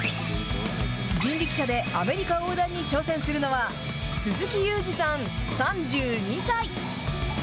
人力車でアメリカ横断に挑戦するのは、鈴木悠司さん３２歳。